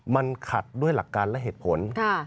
มันขัดด้วยหลักการและเหตุผล